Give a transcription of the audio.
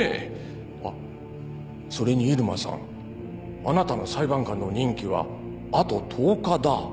あっそれに入間さんあなたの裁判官の任期はあと１０日だ。